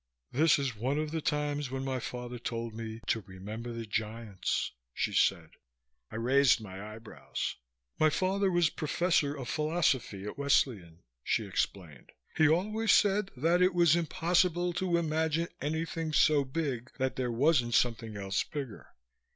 "This is one of the times when my father told me to remember the giants," she said. I raised my eyebrows. "My father was professor of philosophy at Wesleyan," she explained. "He always said that it was impossible to imagine anything so big that there wasn't something else bigger.